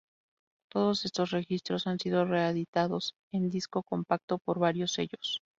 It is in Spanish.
Todos estos registros han sido reeditados en disco compacto por varios sellos.